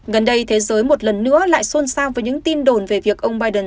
gần đây thế giới một lần nữa lại xôn xao với những tin đồn về việc ông biden